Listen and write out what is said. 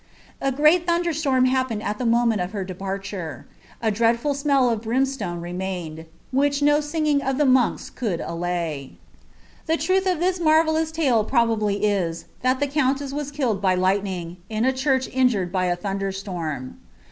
t thunder storm happened at the moment of her departure; a 1 Huell of brimstoae remained, which " no singing of the monks .ll.y." B truth of lliia marvelloils tale probably ta, that the countess was tbv lightning, in a church injured by a iJ] under storm.